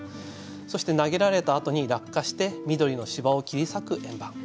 そして投げられたあとに落下して緑の芝を切り裂く円盤。